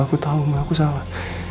aku tahu sama aku salah